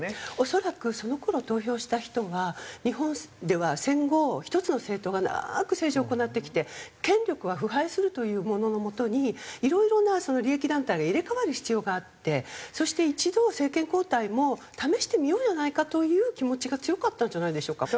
恐らくその頃投票した人は日本では戦後１つの政党が長く政治を行ってきて権力は腐敗するというもののもとにいろいろな利益団体が入れ替わる必要があってそして一度政権交代も試してみようじゃないかという気持ちが強かったんじゃないでしょうか？